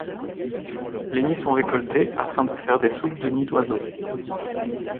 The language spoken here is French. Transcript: Les nids sont récoltés afin de faire des soupes de nids d'oiseaux.